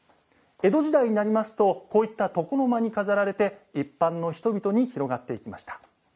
江戸時代になりますと床の間に飾られて一般の人々に広がっていきました。